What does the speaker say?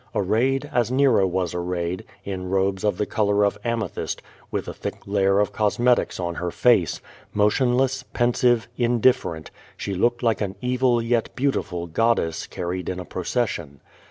Arrayed, as Nero was arrayed, in robes of the I QUO VADJfi. 277 color of amethyst, with a thick layer of cosmetics on her face, motionless, pensive, inditferent, she looked like an evil yet beautiful goddess carried in a procession.